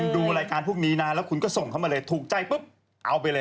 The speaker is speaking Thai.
ดูรายการพวกนี้นะแล้วคุณก็ส่งเข้ามาเลยถูกใจปุ๊บเอาไปเลย